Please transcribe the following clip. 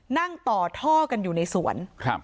นั่งต่อท่อกันอยู่ในสวน